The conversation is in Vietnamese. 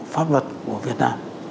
pháp luật của việt nam